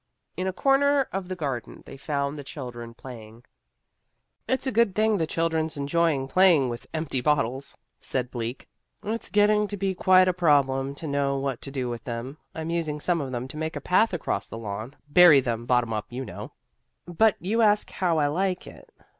In a corner of the garden they found the children playing. "It's a good thing the children enjoy playing with empty bottles," said Bleak. "It's getting to be quite a problem to know what to do with them. I'm using some of them to make a path across the lawn, bury them bottom up, you know. "But you ask how I like it?